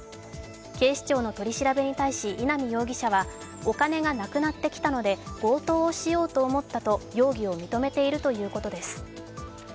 警視庁の取り調べに対し、稲見容疑者はお金がなくなったきたので強盗をしようと思ったと容疑を認めているということです。